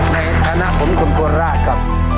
ในธนาคมนายก่อนล่ะครับ